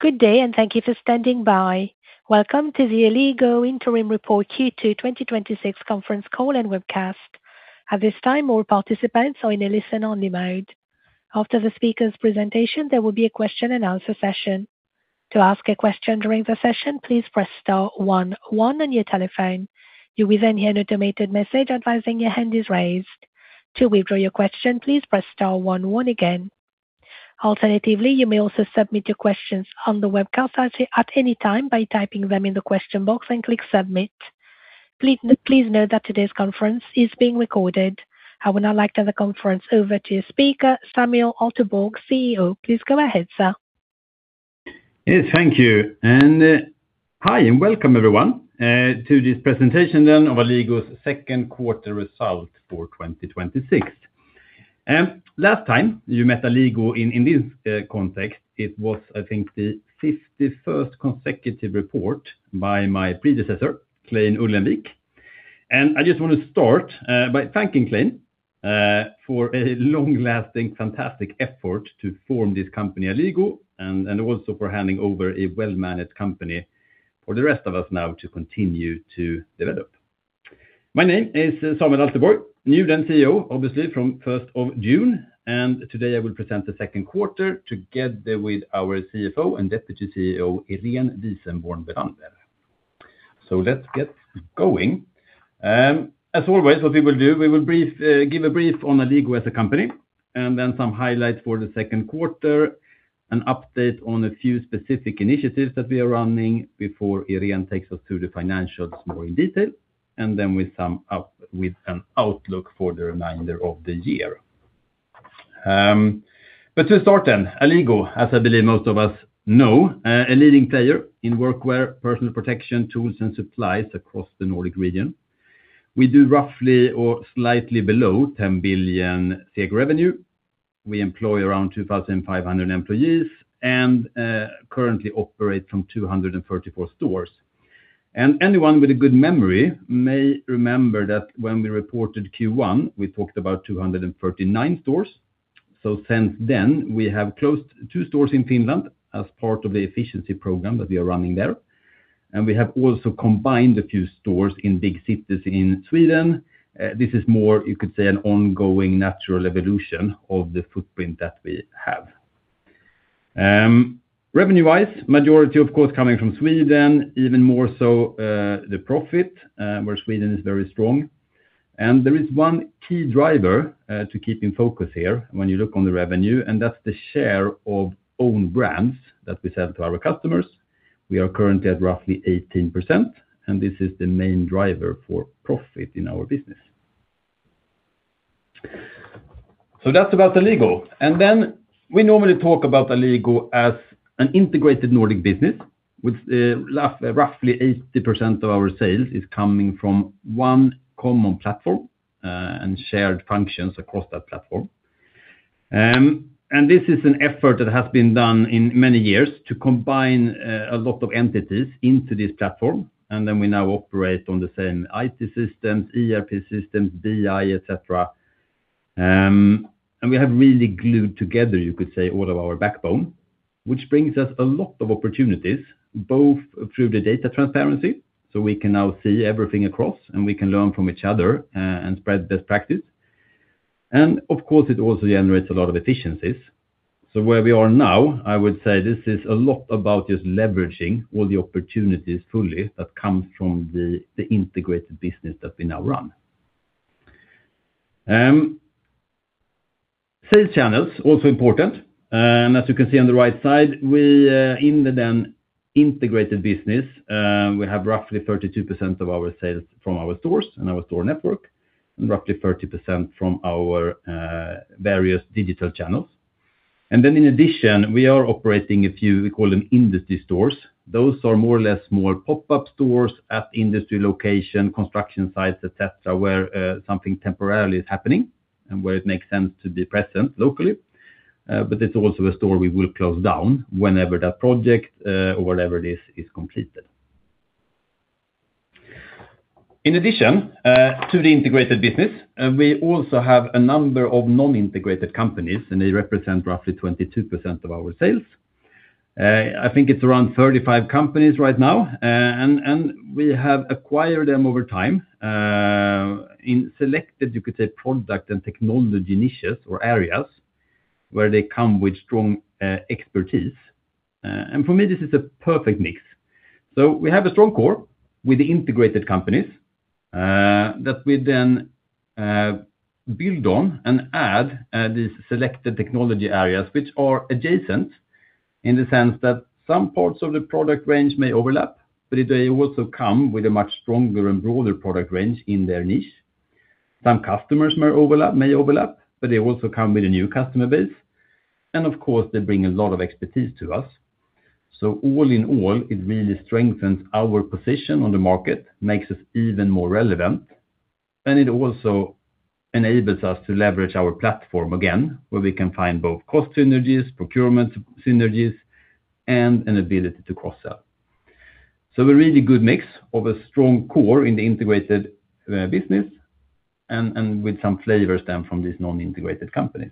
Good day, and thank you for standing by. Welcome to the Alligo Interim Report Q2 2026 conference call and webcast. At this time, all participants are in a listen-only mode. After the speaker's presentation, there will be a question-and-answer session. To ask a question during the session, please press star 11 on your telephone. You will then hear an automated message advising your hand is raised. To withdraw your question, please press star 11 again. Alternatively, you may also submit your questions on the webcast at any time by typing them in the question box and click Submit. Please note that today's conference is being recorded. I would now like to hand the conference over to your speaker, Samuel Alteborg, CEO. Please go ahead, sir. Yes, thank you. Hi, and welcome everyone, to this presentation of Alligo's second quarter result for 2026. Last time you met Alligo in this context, it was, I think, the 51st consecutive report by my predecessor, Clein Ullenvik. I just want to start by thanking Clein for a long-lasting fantastic effort to form this company, Alligo, and also for handing over a well-managed company for the rest of us now to continue to develop. My name is Samuel Alteborg, new CEO, obviously, from 1st of June, and today I will present the second quarter together with our CFO and Deputy CEO, Irene Wisenborn Bellander. Let's get going. As always, what we will do, we will give a brief on Alligo as a company, some highlights for the second quarter, an update on a few specific initiatives that we are running before Irene takes us through the financials more in detail, we sum up with an outlook for the remainder of the year. To start, Alligo, as I believe most of us know, a leading player in workwear, personal protection tools and supplies across the Nordic region. We do roughly or slightly below 10 billion SEK revenue. We employ around 2,500 employees and currently operate from 234 stores. Anyone with a good memory may remember that when we reported Q1, we talked about 239 stores. Since then, we have closed two stores in Finland as part of the efficiency program that we are running there. We have also combined a few stores in big cities in Sweden. This is more, you could say, an ongoing natural evolution of the footprint that we have. Revenue-wise, majority, of course, coming from Sweden, even more so the profit, where Sweden is very strong. There is one key driver to keep in focus here when you look on the revenue, and that's the share of own brands that we sell to our customers. We are currently at roughly 18%, and this is the main driver for profit in our business. That's about Alligo. We normally talk about Alligo as an integrated Nordic business, with roughly 80% of our sales is coming from one common platform, and shared functions across that platform. This is an effort that has been done in many years to combine a lot of entities into this platform. Then we now operate on the same IT systems, ERP systems, BI, et cetera. We have really glued together, you could say, all of our backbone, which brings us a lot of opportunities, both through the data transparency, so we can now see everything across and we can learn from each other and spread best practice. Of course, it also generates a lot of efficiencies. Where we are now, I would say this is a lot about just leveraging all the opportunities fully that come from the integrated business that we now run. Sales channels, also important. As you can see on the right side, in the then integrated business, we have roughly 32% of our sales from our stores and our store network, and roughly 30% from our various digital channels. In addition, we are operating a few, we call them industry stores. Those are more or less small pop-up stores at industry location, construction sites, et cetera, where something temporarily is happening and where it makes sense to be present locally. It's also a store we will close down whenever that project or whatever it is completed. In addition to the integrated business, we also have a number of non-integrated companies, they represent roughly 22% of our sales. I think it's around 35 companies right now, and we have acquired them over time in selected, you could say, product and technology niches or areas where they come with strong expertise. For me, this is a perfect mix. We have a strong core with the integrated companies that we then build on and add these selected technology areas, which are adjacent in the sense that some parts of the product range may overlap, but they also come with a much stronger and broader product range in their niche. Some customers may overlap, but they also come with a new customer base. Of course, they bring a lot of expertise to us. All in all, it really strengthens our position on the market, makes us even more relevant, and it also enables us to leverage our platform again, where we can find both cost synergies, procurement synergies, and an ability to cross-sell. A really good mix of a strong core in the integrated business and with some flavors then from these non-integrated companies.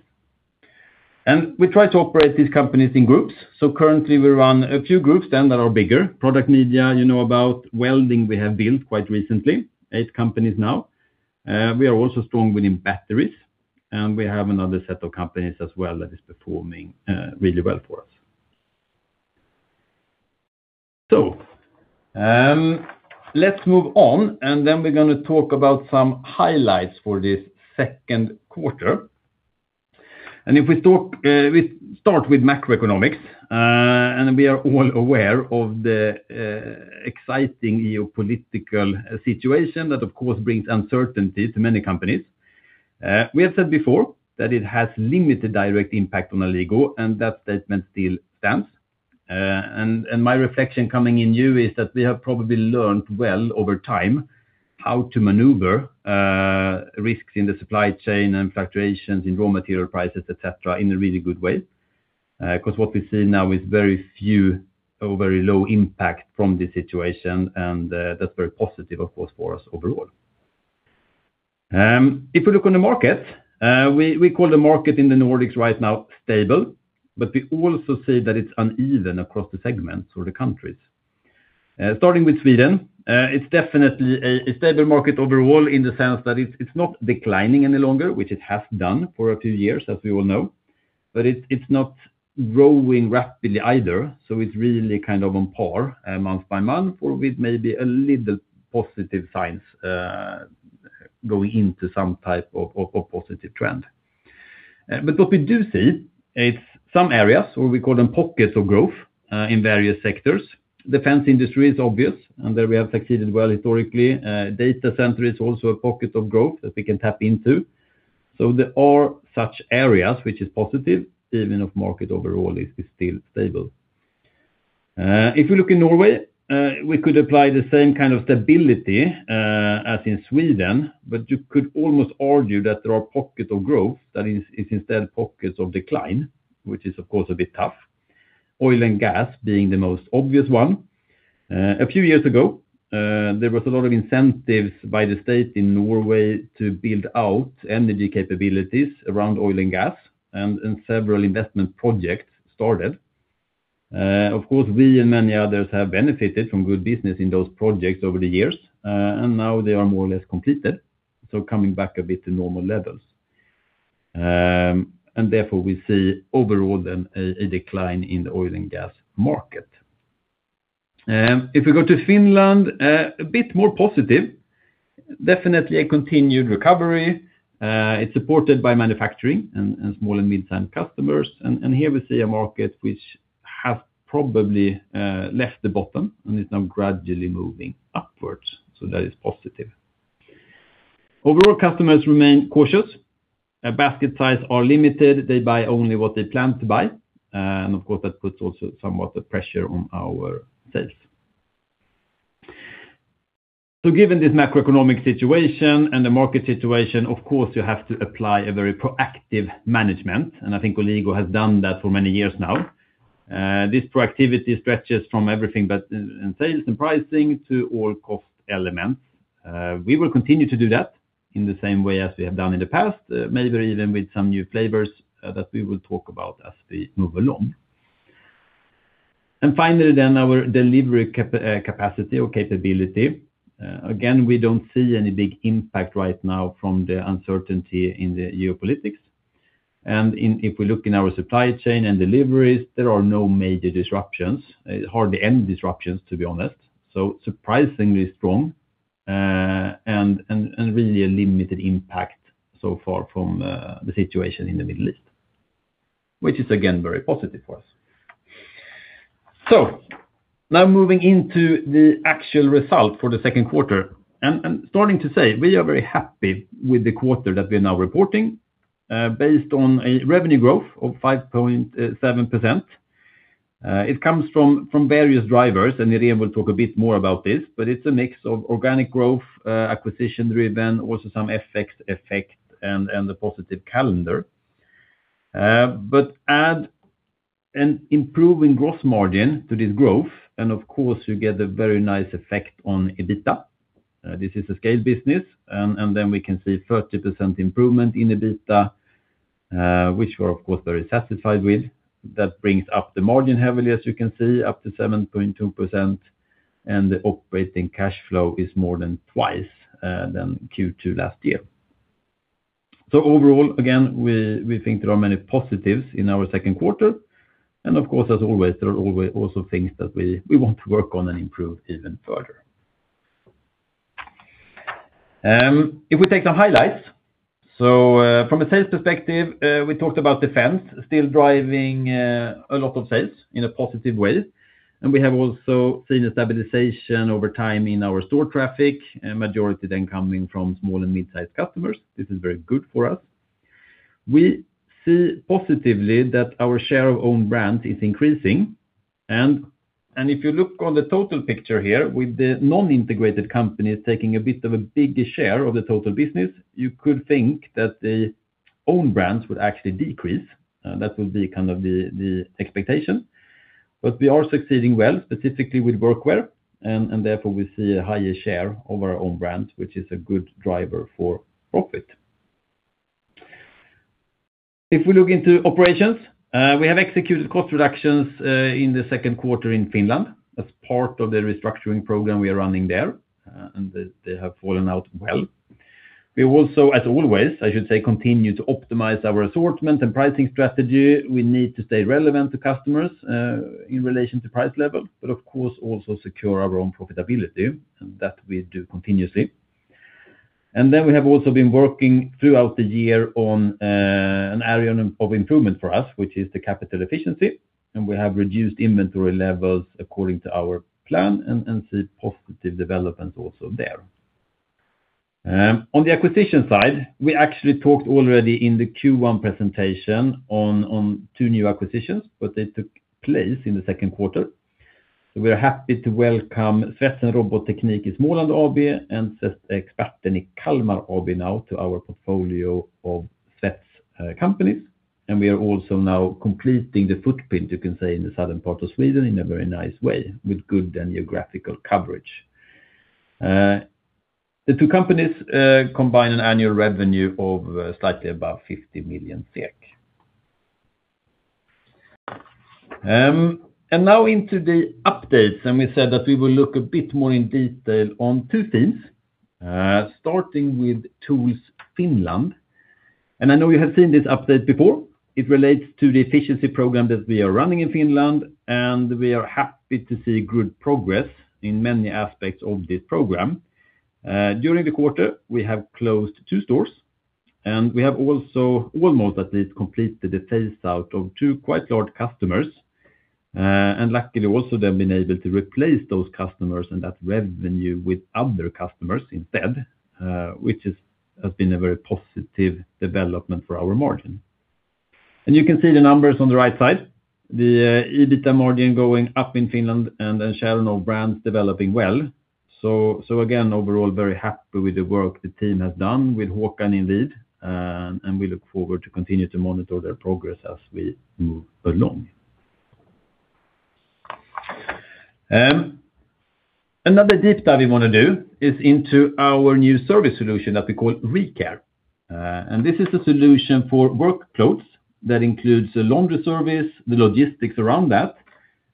We try to operate these companies in groups. Currently we run a few groups then that are bigger. Product media, you know about. Welding, we have built quite recently, eight companies now. We are also strong within batteries, and we have another set of companies as well that is performing really well for us. Let's move on, and then we're going to talk about some highlights for this second quarter. If we start with macroeconomics, and we are all aware of the exciting geopolitical situation that, of course, brings uncertainty to many companies. We have said before that it has limited direct impact on Alligo, and that statement still stands. My reflection coming in new is that we have probably learned well over time how to maneuver risks in the supply chain and fluctuations in raw material prices, et cetera, in a really good way. What we see now is very few or very low impact from this situation, and that's very positive, of course, for us overall. We look on the market, we call the market in the Nordics right now stable, but we also see that it's uneven across the segments or the countries. Starting with Sweden, it's definitely a stable market overall in the sense that it's not declining any longer, which it has done for a few years, as we all know. It's not growing rapidly either. It's really on par month by month or with maybe a little positive signs going into some type of positive trend. What we do see, it's some areas, or we call them pockets of growth, in various sectors. Defense industry is obvious, and there we have succeeded well historically. Data center is also a pocket of growth that we can tap into. There are such areas which is positive, even if market overall is still stable. We look in Norway, we could apply the same kind of stability as in Sweden, but you could almost argue that there are pockets of growth, that is instead pockets of decline, which is of course, a bit tough. Oil and gas being the most obvious one. A few years ago, there was a lot of incentives by the state in Norway to build out energy capabilities around oil and gas, and several investment projects started. Of course, we and many others have benefited from good business in those projects over the years, and now they are more or less completed. Coming back a bit to normal levels. Therefore, we see overall then a decline in the oil and gas market. We go to Finland, a bit more positive, definitely a continued recovery. It's supported by manufacturing and small and midsize customers. Here we see a market which has probably left the bottom and is now gradually moving upwards. That is positive. Overall, customers remain cautious. Basket size are limited. They buy only what they plan to buy. Of course, that puts also somewhat the pressure on our sales. Given this macroeconomic situation and the market situation, of course, you have to apply a very proactive management, and I think Alligo has done that for many years now. This proactivity stretches from everything but in sales and pricing to all cost elements. We will continue to do that in the same way as we have done in the past, maybe even with some new flavors that we will talk about as we move along. Finally, then our delivery capacity or capability. Again, we don't see any big impact right now from the uncertainty in the geopolitics. If we look in our supply chain and deliveries, there are no major disruptions, hardly any disruptions, to be honest. Surprisingly strong and really a limited impact so far from the situation in the Middle East, which is again, very positive for us. Now moving into the actual result for the second quarter. Starting to say, we are very happy with the quarter that we're now reporting based on a revenue growth of 5.7%. It comes from various drivers, Irene will talk a bit more about this, but it's a mix of organic growth, acquisition-driven, also some FX effect and the positive calendar. Add an improving gross margin to this growth, and of course, you get a very nice effect on EBITA. This is a scale business, and then we can see 30% improvement in EBITA, which we're of course, very satisfied with. That brings up the margin heavily, as you can see, up to 7.2%, and the operating cash flow is more than twice than Q2 last year. Overall, again, we think there are many positives in our second quarter. Of course, as always, there are also things that we want to work on and improve even further. If we take the highlights, from a sales perspective, we talked about defense still driving a lot of sales in a positive way. We have also seen a stabilization over time in our store traffic, majority then coming from small and midsize customers. This is very good for us. We see positively that our share of own brand is increasing. If you look on the total picture here, with the non-integrated companies taking a bit of a bigger share of the total business, you could think that the own brands would actually decrease. That will be the expectation. We are succeeding well, specifically with workwear, and therefore we see a higher share of our own brand, which is a good driver for profit. If we look into operations, we have executed cost reductions in the second quarter in Finland as part of the restructuring program we are running there, and they have fallen out well. We also, as always, I should say, continue to optimize our assortment and pricing strategy. We need to stay relevant to customers in relation to price level, but of course also secure our own profitability, and that we do continuously. We have also been working throughout the year on an area of improvement for us, which is the capital efficiency, and we have reduced inventory levels according to our plan and see positive developments also there. On the acquisition side, we actually talked already in the Q1 presentation on two new acquisitions, but they took place in the second quarter. We are happy to welcome Svets & Robotteknik i Småland AB and Svetsexperten i Kalmar AB now to our portfolio of Svets companies. We are also now completing the footprint, you can say, in the southern part of Sweden in a very nice way with good geographical coverage. The two companies combine an annual revenue of slightly above 50 million SEK. Now into the updates, we said that we will look a bit more in detail on two things, starting with Tools Finland. I know you have seen this update before. It relates to the efficiency program that we are running in Finland, and we are happy to see good progress in many aspects of this program. During the quarter, we have closed two stores and we have also almost at least completed the phase-out of two quite large customers. Luckily also then been able to replace those customers and that revenue with other customers instead, which has been a very positive development for our margin. You can see the numbers on the right side, the EBITA margin going up in Finland and the share of own brands developing well. Again, overall, very happy with the work the team has done with Håkan in lead, and we look forward to continue to monitor their progress as we move along. Another deep dive we want to do is into our new service solution that we call ReCare. This is a solution for work clothes that includes a laundry service, the logistics around that,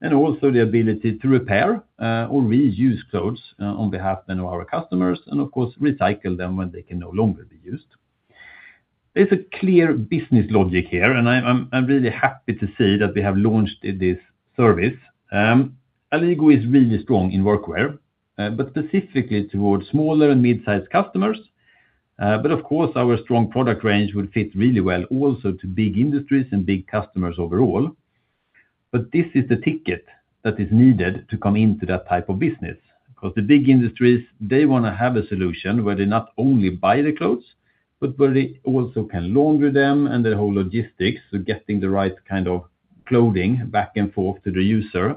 and also the ability to repair or reuse clothes on behalf of our customers and, of course, recycle them when they can no longer be used. There's a clear business logic here, and I'm really happy to see that we have launched this service. Alligo is really strong in workwear, but specifically towards smaller and mid-size customers. Of course, our strong product range will fit really well also to big industries and big customers overall. This is the ticket that is needed to come into that type of business because the big industries, they want to have a solution where they not only buy the clothes, but where they also can launder them and the whole logistics of getting the right kind of clothing back and forth to the user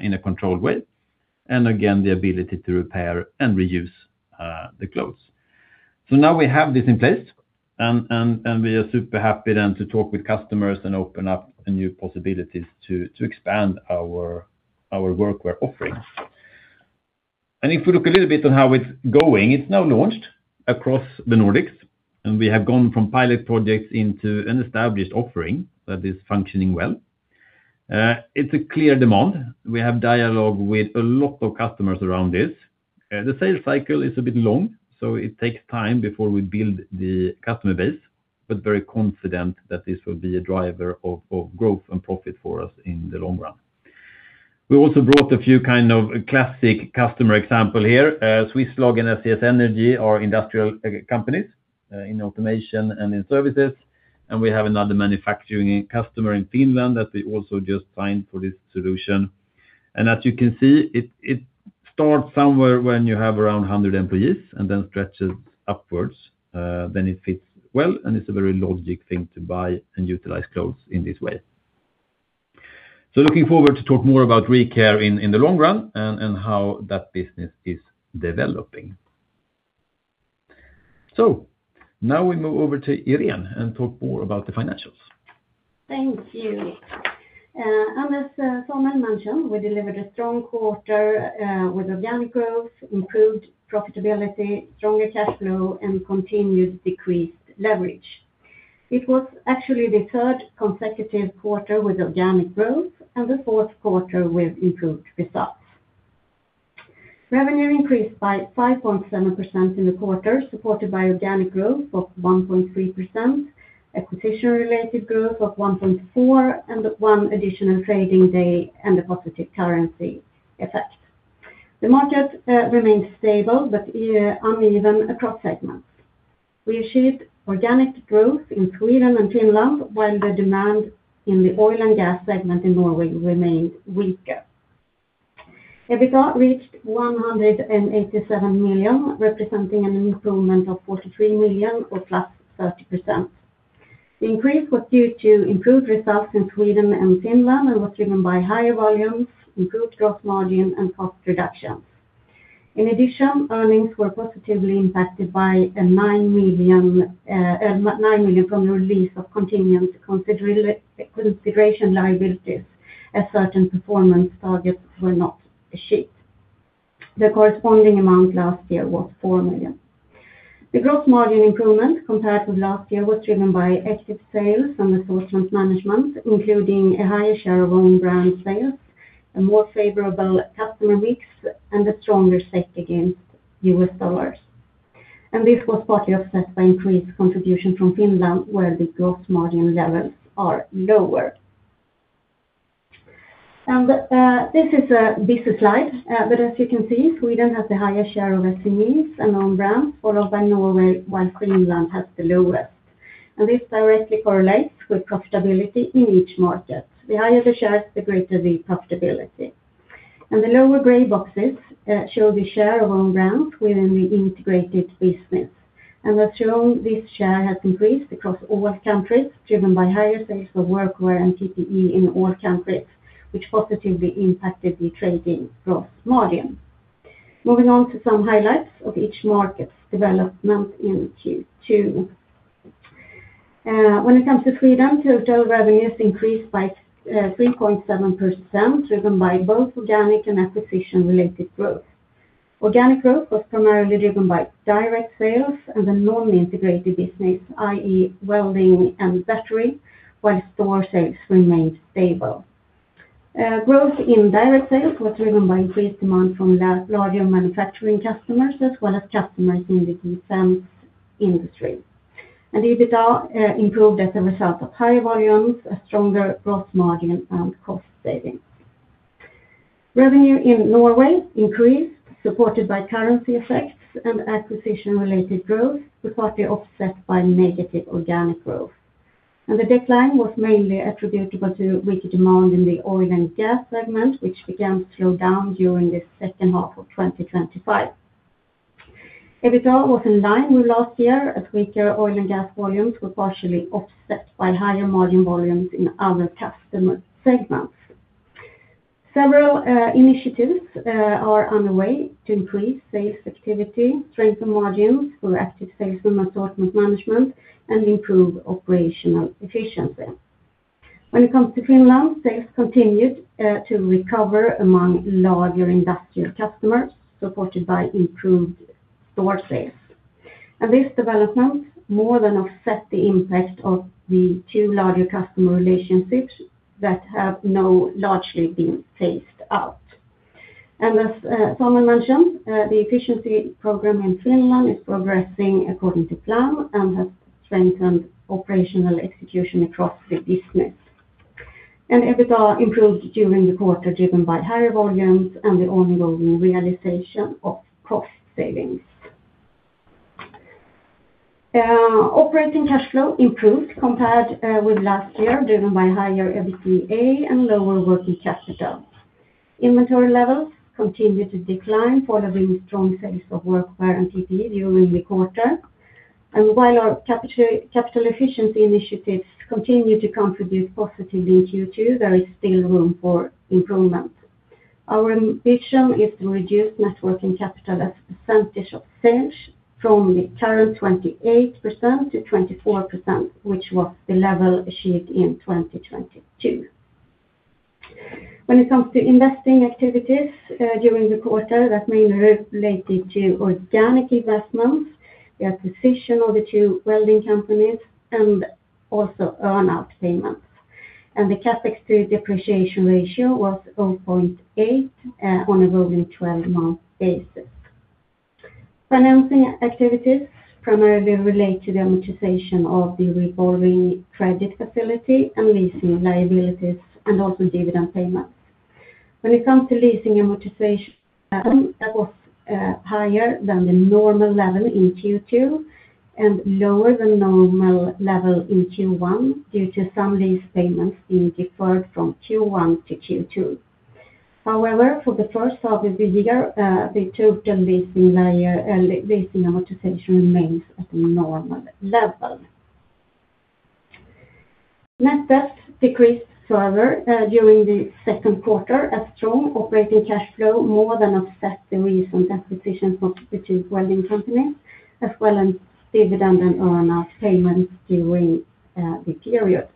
in a controlled way. Again, the ability to repair and reuse the clothes. Now we have this in place and we are super happy then to talk with customers and open up new possibilities to expand our workwear offerings. If we look a little bit on how it's going, it's now launched across the Nordics, and we have gone from pilot projects into an established offering that is functioning well. It's a clear demand. We have dialogue with a lot of customers around this. The sales cycle is a bit long, so it takes time before we build the customer base, but very confident that this will be a driver of growth and profit for us in the long run. We also brought a few classic customer example here. Swisslog and SES Energy are industrial companies in automation and in services. We have another manufacturing customer in Finland that we also just signed for this solution. As you can see, it starts somewhere when you have around 100 employees and then stretches upwards. It fits well, and it's a very logic thing to buy and utilize clothes in this way. Looking forward to talk more about ReCare in the long run and how that business is developing. Now we move over to Irene and talk more about the financials. Thank you. As Samuel mentioned, we delivered a strong quarter with organic growth, improved profitability, stronger cash flow, and continued decreased leverage. It was actually the third consecutive quarter with organic growth and the fourth quarter with improved results. Revenue increased by 5.7% in the quarter, supported by organic growth of 1.3%, acquisition-related growth of 1.4%, one additional trading day, and a positive currency effect. The market remained stable but uneven across segments. We achieved organic growth in Sweden and Finland, while the demand in the oil and gas segment in Norway remained weaker. EBITA reached 187 million, representing an improvement of 43 million or +30%. The increase was due to improved results in Sweden and Finland and was driven by higher volumes, improved gross margin, and cost reduction. In addition, earnings were positively impacted by 9 million from the release of continuing consideration liabilities as certain performance targets were not achieved. The corresponding amount last year was 4 million. The gross margin improvement compared to last year was driven by active sales and assortment management, including a higher share of own brand sales, a more favorable customer mix, and a stronger SEK against U.S. dollars. This was partly offset by increased contribution from Finland, where the gross margin levels are lower. This is a busy slide, but as you can see, Sweden has the highest share of SMEs and own brands, followed by Norway, while Finland has the lowest. This directly correlates with profitability in each market. The higher the shares, the greater the profitability. The lower gray boxes show the share of own brands within the integrated business. As shown, this share has increased across all countries, driven by higher sales for workwear and PPE in all countries, which positively impacted the trading gross margin. Moving on to some highlights of each market's development in Q2. When it comes to Sweden, total revenues increased by 3.7%, driven by both organic and acquisition-related growth. Organic growth was primarily driven by direct sales and the non-integrated business, i.e., welding and battery, while store sales remained stable. Growth in direct sales was driven by increased demand from larger manufacturing customers, as well as customers in the defense industry. EBITA improved as a result of higher volumes, a stronger gross margin, and cost savings. Revenue in Norway increased, supported by currency effects and acquisition-related growth, but partly offset by negative organic growth. The decline was mainly attributable to weaker demand in the oil and gas segment, which began to slow down during the second half of 2025. EBITA was in line with last year, as weaker oil and gas volumes were partially offset by higher margin volumes in other customer segments. Several initiatives are underway to increase sales activity, strengthen margins through active sales and assortment management, and improve operational efficiency. When it comes to Finland, sales continued to recover among larger industrial customers, supported by improved store sales. This development more than offset the impact of the two larger customer relationships that have now largely been phased out. As Samuel mentioned, the efficiency program in Finland is progressing according to plan and has strengthened operational execution across the business. EBITA improved during the quarter, driven by higher volumes and the ongoing realization of cost savings. Operating cash flow improved compared with last year, driven by higher EBITA and lower working capital. Inventory levels continued to decline following strong sales of workwear and PPE during the quarter. While our capital efficiency initiatives continue to contribute positively in Q2, there is still room for improvement. Our ambition is to reduce net working capital as a percentage of sales from the current 28% to 24%, which was the level achieved in 2022. When it comes to investing activities during the quarter, that mainly related to organic investments, the acquisition of the two welding companies, and also earn-out payments. The CapEx to depreciation ratio was 0.8 on a rolling 12-month basis. Financing activities primarily relate to the amortization of the revolving credit facility and leasing liabilities, and also dividend payments. When it comes to leasing amortization, that was higher than the normal level in Q2 and lower than normal level in Q1 due to some lease payments being deferred from Q1 to Q2. However, for the first half of the year, the total leasing amortization remains at the normal level. Net debt decreased further during the second quarter as strong operating cash flow more than offset the recent acquisitions of the two welding companies as well as dividend and earn-out payments during the period.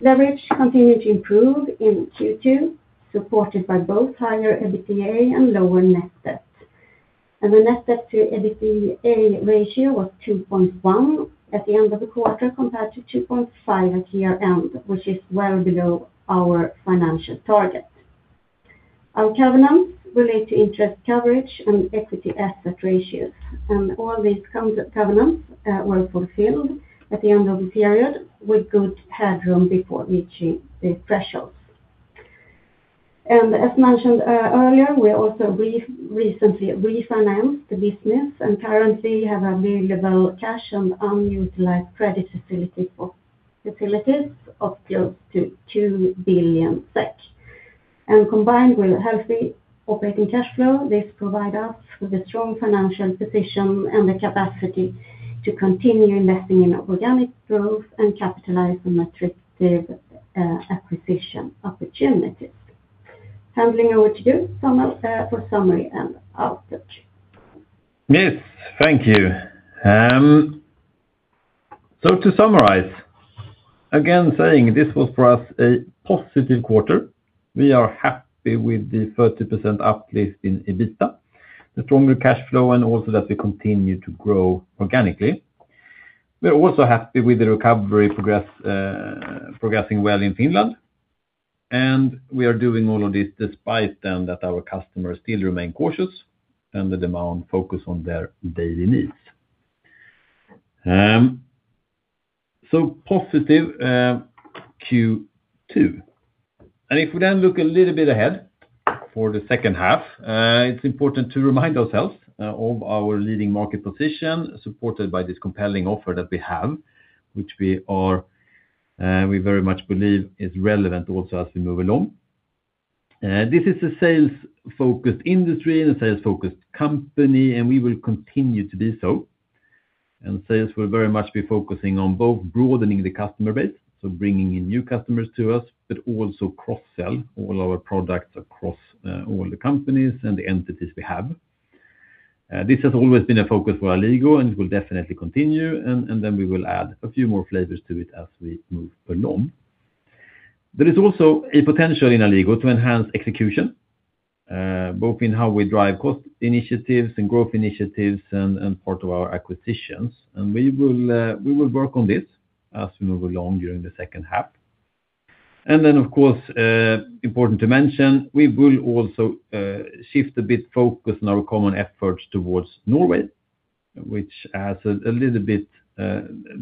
Leverage continued to improve in Q2, supported by both higher EBITA and lower net debt. The net debt to EBITA ratio was 2.1 at the end of the quarter compared to 2.5 at year-end, which is well below our financial target. Our covenants relate to interest coverage and equity asset ratios, all these covenants were fulfilled at the end of the period with good headroom before reaching the thresholds. As mentioned earlier, we also recently refinanced the business and currently have available cash and unutilized credit facilities of close to 2 billion SEK. Combined with healthy operating cash flow, this provide us with a strong financial position and the capacity to continue investing in organic growth and capitalize on attractive acquisition opportunities. Handing over to you, Samuel, for summary and outlook. Yes, thank you. To summarize, again saying this was for us a positive quarter. We are happy with the 30% uplift in EBITA, the stronger cash flow, and also that we continue to grow organically. We are also happy with the recovery progressing well in Finland. We are doing all of this despite then that our customers still remain cautious and with the focus on their daily needs. Positive Q2. If we then look a little bit ahead for the second half, it's important to remind ourselves of our leading market position, supported by this compelling offer that we have, which we very much believe is relevant also as we move along. This is a sales-focused industry and a sales-focused company, and we will continue to be so. Sales will very much be focusing on both broadening the customer base, so bringing in new customers to us, but also cross-sell all our products across all the companies and the entities we have. This has always been a focus for Alligo and will definitely continue, then we will add a few more flavors to it as we move along. There is also a potential in Alligo to enhance execution, both in how we drive cost initiatives and growth initiatives and part of our acquisitions. We will work on this as we move along during the second half. Then, of course, important to mention, we will also shift a bit focus on our common efforts towards Norway, which has a little bit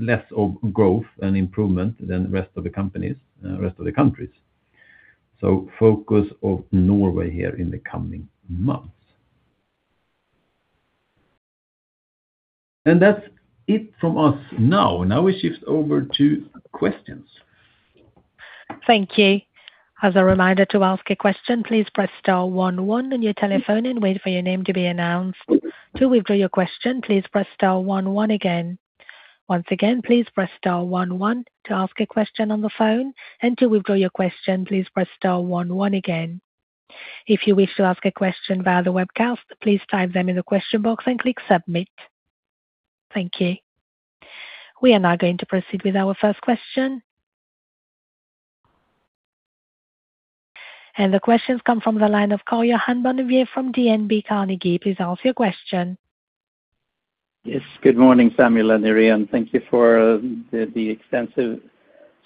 less of growth and improvement than the rest of the countries. So focus of Norway here in the coming months. That's it from us now. Now we shift over to questions. Thank you. As a reminder, to ask a question, please press star one one on your telephone and wait for your name to be announced. To withdraw your question, please press star one one again. Once again, please press star one one to ask a question on the phone. To withdraw your question, please press star one one again. If you wish to ask a question via the webcast, please type them in the question box and click submit. Thank you. We are now going to proceed with our first question. The question comes from the line of Karl-Johan Bonnevier from DNB Carnegie. Please ask your question. Yes. Good morning, Samuel and Irene. Thank you for the extensive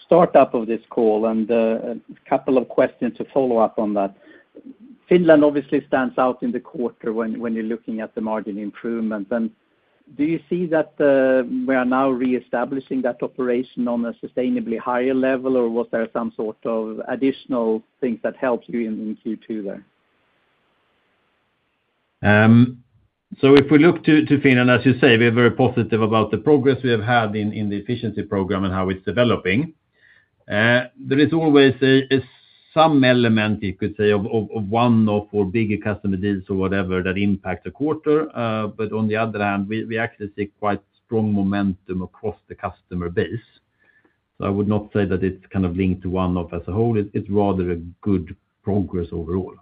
startup of this call, and a couple of questions to follow up on that. Finland obviously stands out in the quarter when you're looking at the margin improvement. Do you see that we are now reestablishing that operation on a sustainably higher level, or was there some sort of additional things that helped you in Q2 there? If we look to Finland, as you say, we are very positive about the progress we have had in the efficiency program and how it's developing. There is always some element, you could say, of one of our bigger customer deals or whatever that impact the quarter. On the other hand, we actually see quite strong momentum across the customer base. I would not say that it's linked to one of as a whole. It's rather a good progress overall.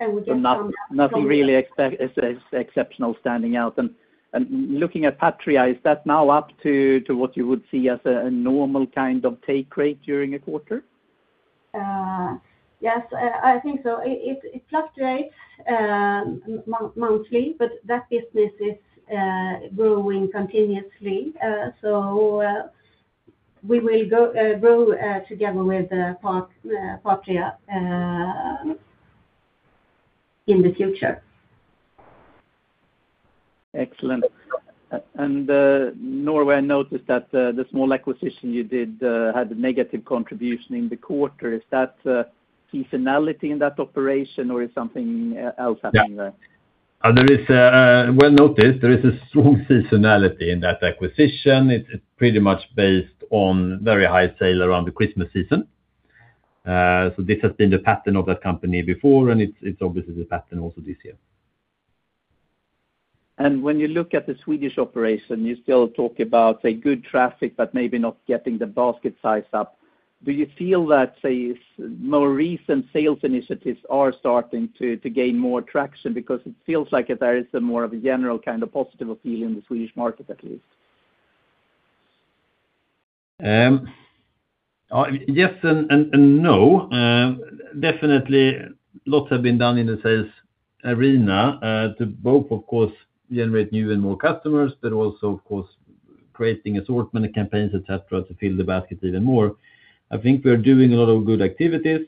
Would that come back? Nothing really exceptional standing out. Looking at Patria, is that now up to what you would see as a normal kind of take rate during a quarter? Yes, I think so. It fluctuates monthly, that business is growing continuously. We will grow together with Patria in the future. Norway, I noticed that the small acquisition you did had a negative contribution in the quarter. Is that seasonality in that operation, or is something else happening there? Well noticed. There is a strong seasonality in that acquisition. It's pretty much based on very high sale around the Christmas season. This has been the pattern of that company before, and it's obviously the pattern also this year. When you look at the Swedish operation, you still talk about a good traffic, but maybe not getting the basket size up. Do you feel that, say, more recent sales initiatives are starting to gain more traction? Because it feels like there is a more of a general kind of positive appeal in the Swedish market, at least. Yes and no. Definitely lots have been done in the sales arena to both, of course, generate new and more customers, but also, of course, creating assortment campaigns, et cetera, to fill the basket even more. I think we are doing a lot of good activities,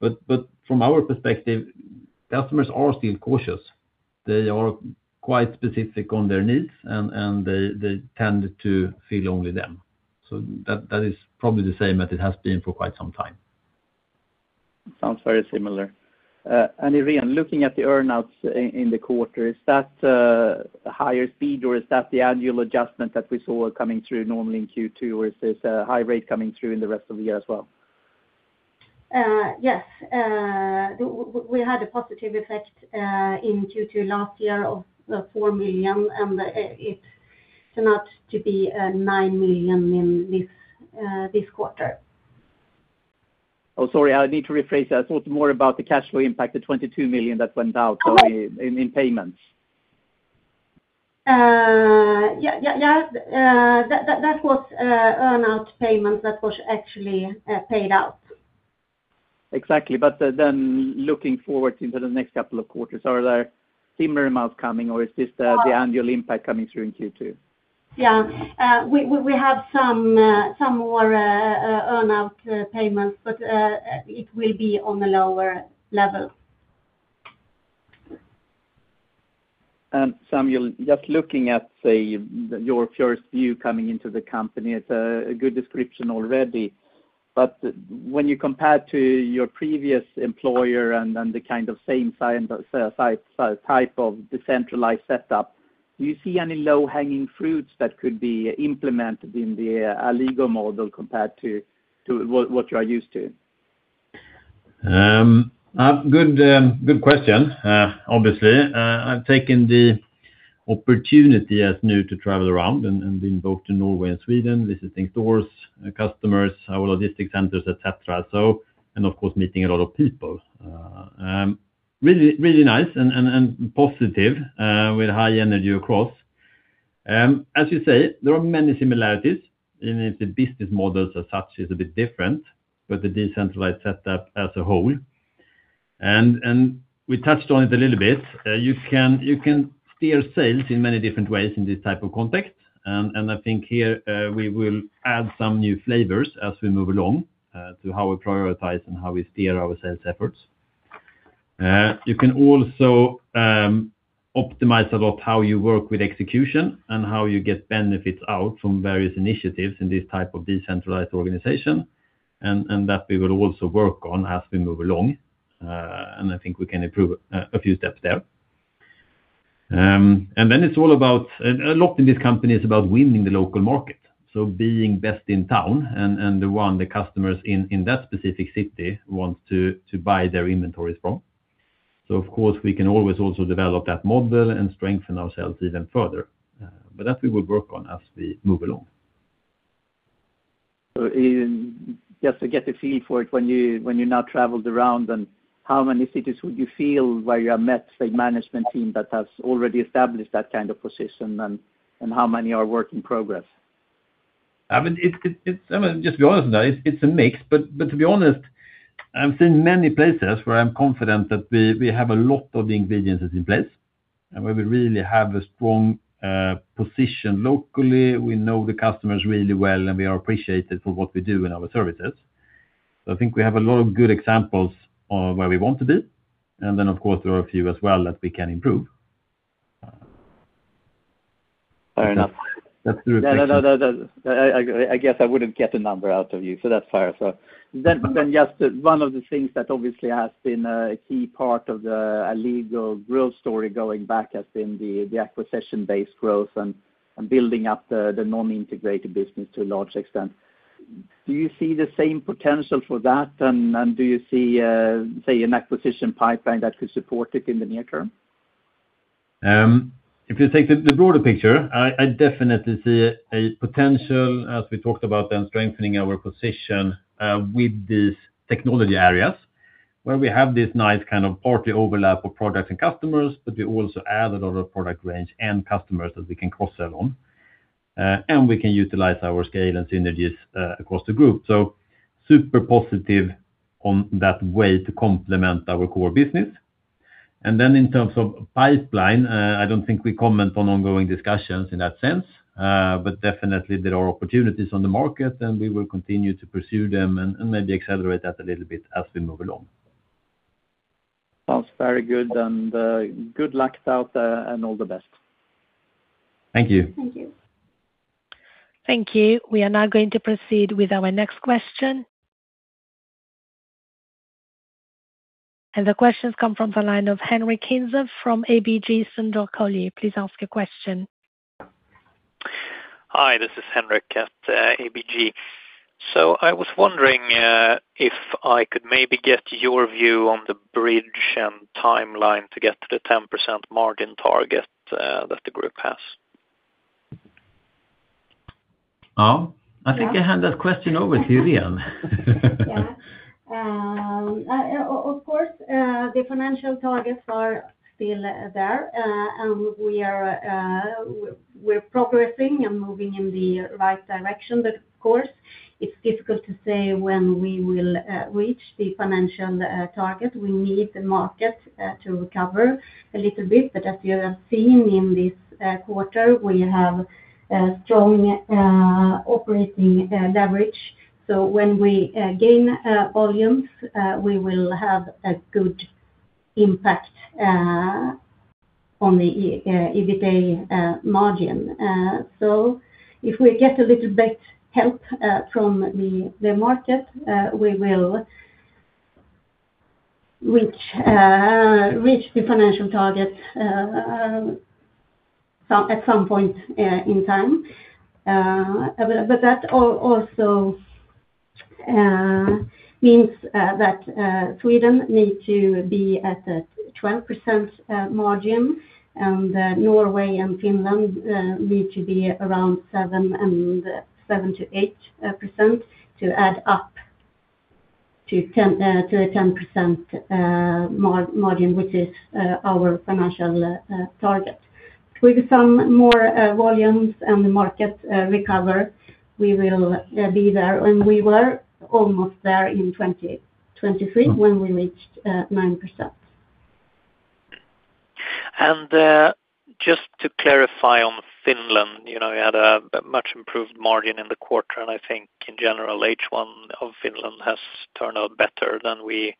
but from our perspective, customers are still cautious. They are quite specific on their needs, and they tend to fill only them. That is probably the same as it has been for quite some time. Sounds very similar. Irene, looking at the earn-outs in the quarter, is that a higher speed, or is that the annual adjustment that we saw coming through normally in Q2, or is this a high rate coming through in the rest of the year as well? Yes. We had a positive effect in Q2 last year of 4 million. It's announced to be 9 million in this quarter. Sorry. I need to rephrase that. I thought more about the cash flow impact, the 22 million that went out in payments. Yeah. That was earn-out payment that was actually paid out. Exactly. Looking forward into the next couple of quarters, are there similar amounts coming, or is this the annual impact coming through in Q2? Yeah. We have some more earn-out payments, it will be on a lower level. Samuel, just looking at your first view coming into the company, it's a good description already. When you compare to your previous employer and the same type of decentralized setup, do you see any low-hanging fruits that could be implemented in the Alligo model compared to what you are used to? Good question. Obviously, I've taken the opportunity as new to travel around and been both to Norway and Sweden, visiting stores, customers, our logistics centers, et cetera, and of course, meeting a lot of people. Really nice and positive with high energy across. As you say, there are many similarities. The business model as such is a bit different with the decentralized setup as a whole. We touched on it a little bit. You can steer sales in many different ways in this type of context. I think here we will add some new flavors as we move along to how we prioritize and how we steer our sales efforts. You can also optimize a lot how you work with execution and how you get benefits out from various initiatives in this type of decentralized organization, and that we will also work on as we move along. I think we can improve a few steps there. A lot in this company is about winning the local market. Being best in town and the one the customers in that specific city want to buy their inventories from. Of course, we can always also develop that model and strengthen ourselves even further. That we will work on as we move along. Just to get a feel for it when you now traveled around then, how many cities would you feel where you have met management team that has already established that kind of position and how many are work in progress? Just to be honest, it's a mix. To be honest, I've seen many places where I'm confident that we have a lot of the ingredients that are in place and where we really have a strong position locally. We know the customers really well, and we are appreciated for what we do and our services. I think we have a lot of good examples of where we want to be. Then, of course, there are a few as well that we can improve. Fair enough. That's the No. I guess I wouldn't get a number out of you, so that's fair. Just one of the things that obviously has been a key part of the Alligo growth story going back has been the acquisition-based growth and building up the non-integrated business to a large extent. Do you see the same potential for that, and do you see an acquisition pipeline that could support it in the near term? If you take the broader picture, I definitely see a potential as we talked about then strengthening our position with these technology areas where we have this nice partly overlap of products and customers, but we also add a lot of product range and customers that we can cross-sell on. We can utilize our scale and synergies across the group. Super positive on that way to complement our core business. In terms of pipeline, I don't think we comment on ongoing discussions in that sense. Definitely there are opportunities on the market, and we will continue to pursue them and maybe accelerate that a little bit as we move along. Sounds very good, and good luck out there, and all the best. Thank you. Thank you. Thank you. We are now going to proceed with our next question. The question comes from the line of Henric Hintze from ABG Sundal Collier. Please ask your question. Hi, this is Henric at ABG. I was wondering if I could maybe get your view on the bridge and timeline to get to the 10% margin target that the group has. I think I hand that question over to you, Irene. The financial targets are still there. We are progressing and moving in the right direction. It's difficult to say when we will reach the financial target. We need the market to recover a little bit. As you have seen in this quarter, we have a strong operating leverage. When we gain volumes, we will have a good impact on the EBITA margin. If we get a little bit help from the market, we will reach the financial targets at some point in time. That also means that Sweden needs to be at a 12% margin, and Norway and Finland need to be around 7%-8% to add up to a 10% margin, which is our financial target. With some more volumes and the market recover, we will be there, and we were almost there in 2023 when we reached 9%. Just to clarify on Finland, you had a much improved margin in the quarter, and I think in general, H1 of Finland has turned out better than we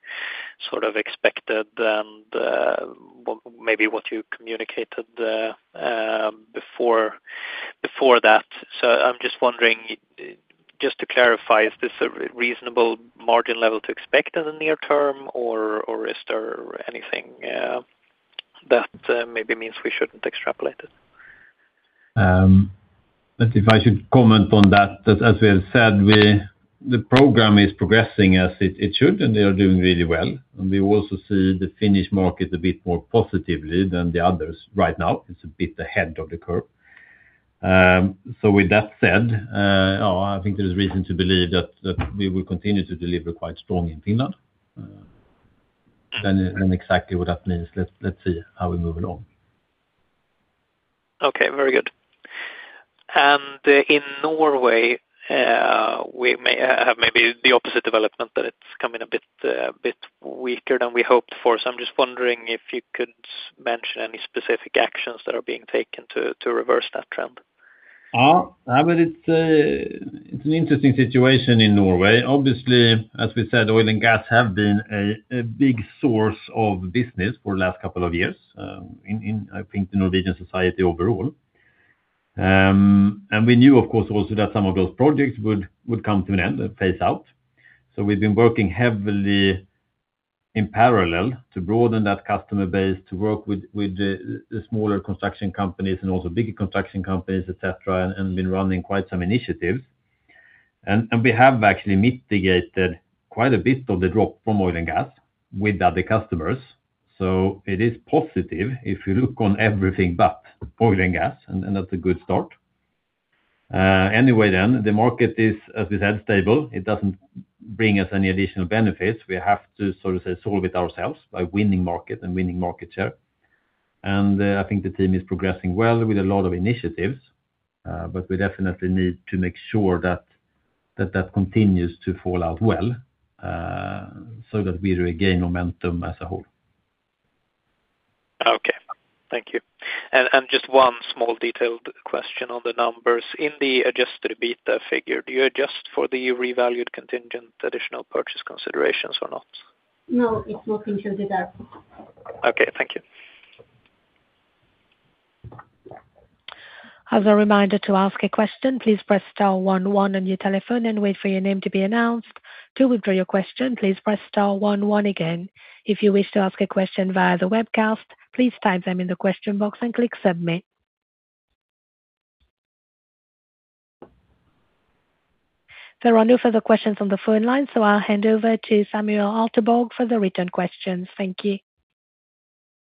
expected and maybe what you communicated before that. I'm just wondering, just to clarify, is this a reasonable margin level to expect in the near term, or is there anything that maybe means we shouldn't extrapolate it? If I should comment on that, as we have said, the program is progressing as it should, and they are doing really well. We also see the Finnish market a bit more positively than the others right now. It's a bit ahead of the curve. With that said, I think there is reason to believe that we will continue to deliver quite strong in Finland. Exactly what that means. Let's see how we move along. Okay. Very good. In Norway, we may have maybe the opposite development, that it's coming a bit weaker than we hoped for. I'm just wondering if you could mention any specific actions that are being taken to reverse that trend. It's an interesting situation in Norway. Obviously, as we said, oil and gas have been a big source of business for the last couple of years in, I think, the Norwegian society overall. We knew, of course, also that some of those projects would come to an end and phase out. We've been working heavily in parallel to broaden that customer base, to work with the smaller construction companies and also bigger construction companies, et cetera, and been running quite some initiatives. We have actually mitigated quite a bit of the drop from oil and gas with other customers. It is positive if you look on everything but oil and gas, and that's a good start. Anyway, the market is, as we said, stable. It doesn't bring us any additional benefits. We have to sort of solve it ourselves by winning market and winning market share. I think the team is progressing well with a lot of initiatives, but we definitely need to make sure that continues to fall out well, so that we regain momentum as a whole. Okay. Thank you. Just one small detailed question on the numbers. In the adjusted EBITA figure, do you adjust for the revalued contingent additional purchase considerations or not? No, it's not included there. Okay. Thank you. As a reminder to ask a question, please press star one one on your telephone and wait for your name to be announced. To withdraw your question, please press star one one again. If you wish to ask a question via the webcast, please type them in the question box and click submit. There are no further questions on the phone line, I'll hand over to Samuel Alteborg for the written questions. Thank you.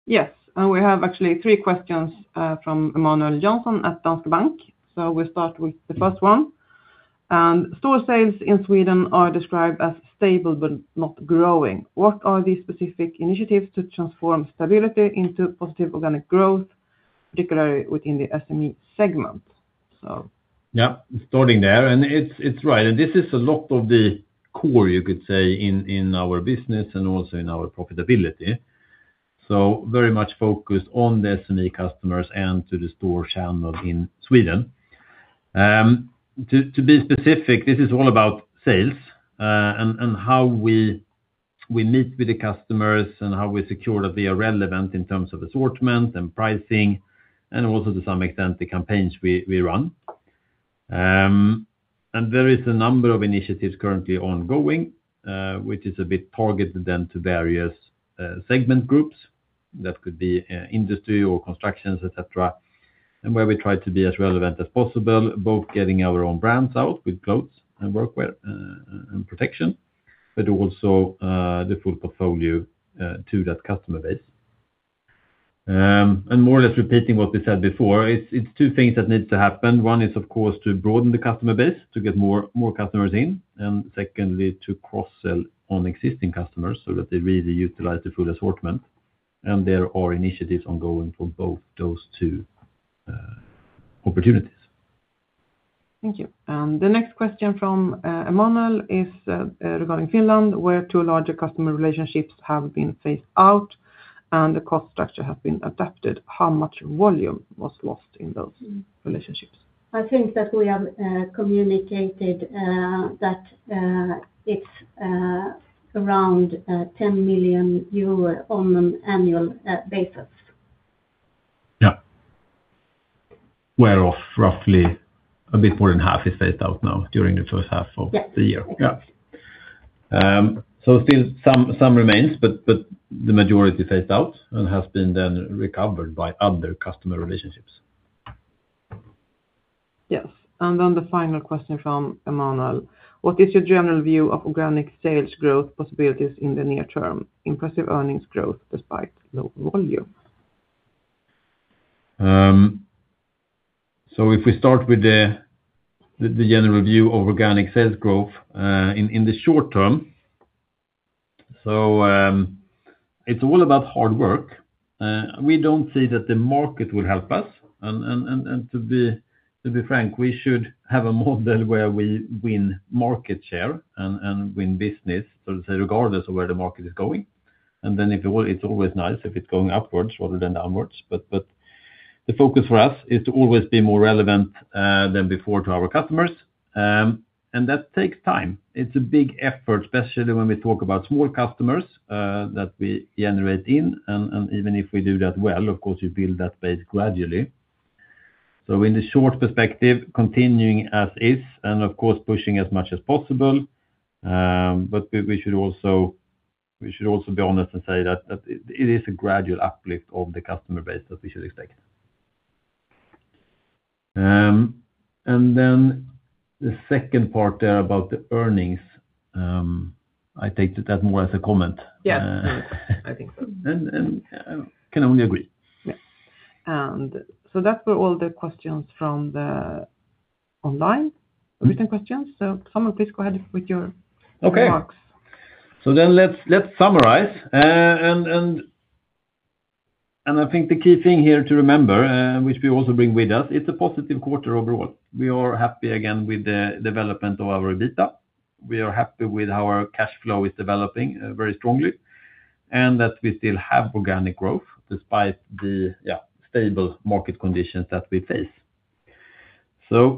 We have actually three questions from Emanuel Jansson at Danske Bank. We start with the first one. Store sales in Sweden are described as stable but not growing. What are the specific initiatives to transform stability into positive organic growth, particularly within the SME segment? Starting there, it's right. This is a lot of the core, you could say, in our business and also in our profitability. Very much focused on the SME customers and to the store channel in Sweden. To be specific, this is all about sales and how we meet with the customers and how we secure that we are relevant in terms of assortment and pricing, also to some extent, the campaigns we run. There is a number of initiatives currently ongoing, which is a bit targeted then to various segment groups that could be industry or constructions, et cetera, where we try to be as relevant as possible, both getting our own brands out with clothes and workwear and protection, but also the full portfolio to that customer base. More or less repeating what we said before, it's two things that need to happen. One is, of course, to broaden the customer base to get more customers in, and secondly, to cross-sell on existing customers so that they really utilize the full assortment. There are initiatives ongoing for both those two opportunities. Thank you. The next question from Emanuel is regarding Finland, where two larger customer relationships have been phased out and the cost structure has been adapted. How much volume was lost in those relationships? I think that we have communicated that it's around 10 million euro on an annual basis. Yeah whereof roughly a bit more than half is phased out now during the first half of the year. Yes. Still some remains, but the majority phased out and has been then recovered by other customer relationships. Yes. The final question from Emanuel: What is your general view of organic sales growth possibilities in the near term? Impressive earnings growth despite low volume. If we start with the general view of organic sales growth in the short term, it's all about hard work. We don't see that the market will help us. To be frank, we should have a model where we win market share and win business, so to say, regardless of where the market is going. It's always nice if it's going upwards rather than downwards. The focus for us is to always be more relevant than before to our customers. That takes time. It's a big effort, especially when we talk about small customers that we generate in. Even if we do that well, of course, you build that base gradually. In the short perspective, continuing as is, and of course pushing as much as possible. We should also be honest and say that it is a gradual uplift of the customer base that we should expect. The second part there about the earnings, I take that more as a comment. Yes. I think so. I can only agree. Yes. That were all the questions from the online written questions. Samuel, please go ahead with your remarks. Let's summarize. I think the key thing here to remember, which we also bring with us, it's a positive quarter overall. We are happy again with the development of our EBITA. We are happy with our cash flow is developing very strongly, and that we still have organic growth despite the stable market conditions that we face.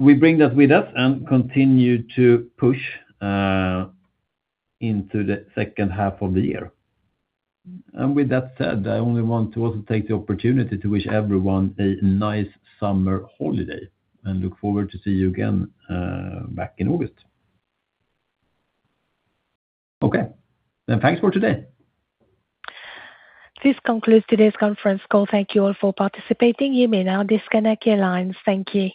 We bring that with us and continue to push into the second half of the year. With that said, I only want to also take the opportunity to wish everyone a nice summer holiday, and look forward to see you again back in August. Thanks for today. This concludes today's conference call. Thank you all for participating. You may now disconnect your lines. Thank you